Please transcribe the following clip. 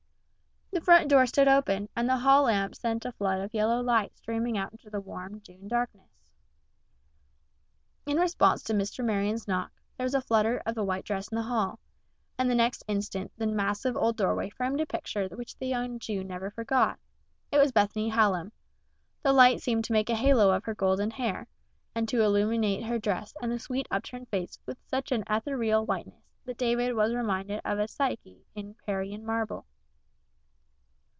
The front door stood open, and the hall lamp sent a flood of yellow light streaming out into the warm, June darkness. In response to Mr. Marion's knock, there was a flutter of a white dress in the hall, and the next instant the massive old doorway framed a picture that the young Jew never forgot. It was Bethany Hallam. The light seemed to make a halo of her golden hair, and to illuminate her dress and the sweet upturned face with such an ethereal whiteness that David was reminded of a Psyche in Parian marble.